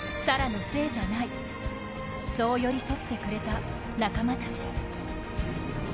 沙羅のせいじゃないそう寄り添ってくれた仲間たち。